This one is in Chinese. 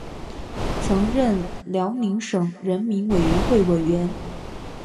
曾任辽宁省人民委员会委员。